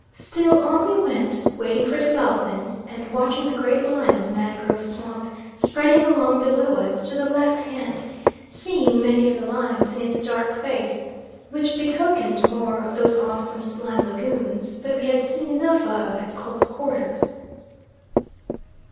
still on we went waiting for developments, and watching the great line of mangrove swamp spreading along below us to the left hand, seeing many of the lines in its dark face, which betokened more of those awesome slime lagoons that we had seen enough of at close quarters.